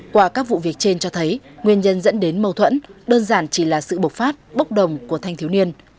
qua các vụ việc trên cho thấy nguyên nhân dẫn đến mâu thuẫn đơn giản chỉ là sự bộc phát bốc đồng của thanh thiếu niên